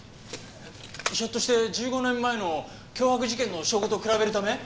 ひょっとして１５年前の脅迫事件の証拠と比べるため？